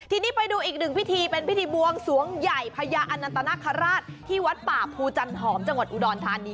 ทีนี้ไปดูอีกหนึ่งพิธีเป็นพิธีบวงสวงใหญ่พญาอนันตนาคาราชที่วัดป่าภูจันหอมจังหวัดอุดรธานี